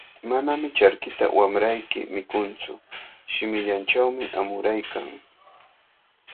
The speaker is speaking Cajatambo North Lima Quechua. Manami charkita wamrayki mikuntsu, shimillanchawmi amuraykan.